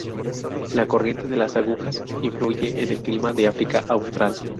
La corriente de las Agujas influye en el clima de África austral.